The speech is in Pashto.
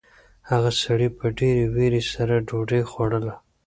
هغه سړي په ډېرې وېرې سره ډوډۍ خوړله.